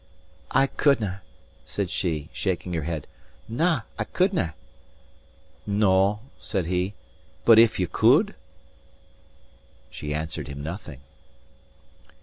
"I couldnae," said she, shaking her head. "Na, I couldnae." "No," said he, "but if ye could?" She answered him nothing.